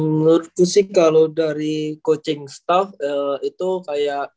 menurutku sih kalau dari coaching staff itu kayak